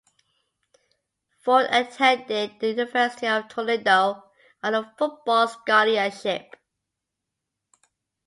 Ford attended the University of Toledo on a football scholarship.